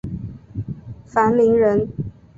樊陵人。